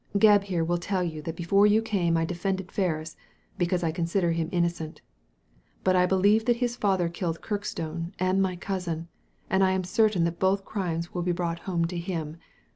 Gebb here will tell you that before you came I defended Ferris, because I consider him innocent But I believe that his father killed Kirkstone and my cousin, and I am certain that both crimes will be brought home to him.